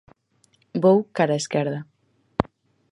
Vou cara a esquerda.